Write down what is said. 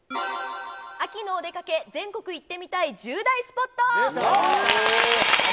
秋のお出かけ全国行ってみたい１０大スポット！